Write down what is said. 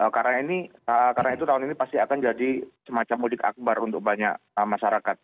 karena itu tahun ini pasti akan jadi semacam mudik akbar untuk banyak masyarakat